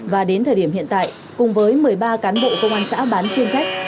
và đến thời điểm hiện tại cùng với một mươi ba cán bộ công an xã bán chuyên trách